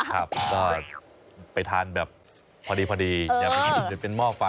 ครับก็ไปทานแบบพอดีเป็นหม้อไฟ